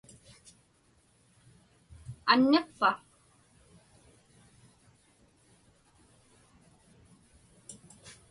Anniqpa?